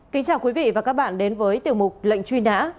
kính chào quý vị và các bạn đến với tiểu mục lệnh truy nã